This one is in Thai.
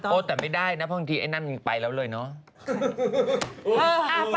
โอ้แต่ไม่ได้นะเพราะว่าทีนั้นมันไปแล้วเลยเนอะ